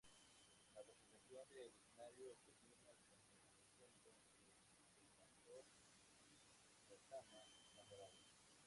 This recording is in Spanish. La presentación del escenario culmina con el encuentro entre el Pastor y Retama, enamorados.